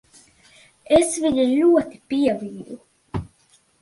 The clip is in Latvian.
Es viņu ļoti pievīlu.